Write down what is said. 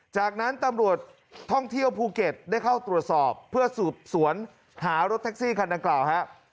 จากนั้นตำรวจท่องเที่ยวภูเก็ตได้เข้าตรวจสอบเพื่อสืบสวนหารถแท็กซี่คันดังกล่าวฮะ